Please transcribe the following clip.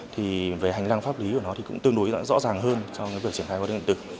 thì về hành lang pháp lý của nó thì cũng tương đối rõ ràng hơn trong cái việc triển khai hóa đơn điện tử